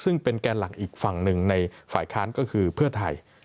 ซึ่งเป็นแกนหลักอีกฝั่งหนึ่งในฝ่ายค้านก็คือเพื่อไทย